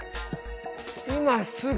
今すぐ！